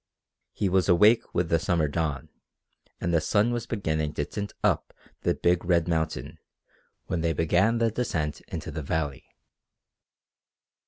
He was awake with the summer dawn and the sun was beginning to tint up the big red mountain when they began the descent into the valley.